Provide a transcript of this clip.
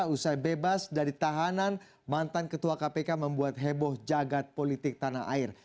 usai bebas dari tahanan mantan ketua kpk membuat heboh jagad politik tanah air